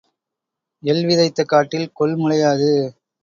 எள் விதைத்த காட்டில் கொள் முளையாது.